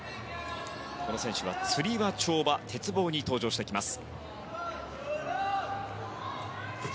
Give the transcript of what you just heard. この選手はつり輪跳馬、鉄棒に登場します。